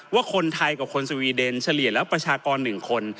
ว่าคนไทยกับคนสวีเดนเฉลี่ยแล้วประชากร๑คน